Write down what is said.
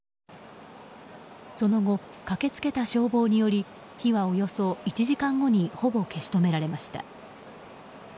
その後、駆け付けた消防により火はおよそ１時間後にほぼ消し止められました。